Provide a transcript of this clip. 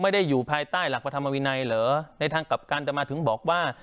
อยู่ภายใต้หลักพระธรรมวินัยเหรอในทางกลับกันมาถึงบอกว่า